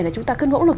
là chúng ta cứ nỗ lực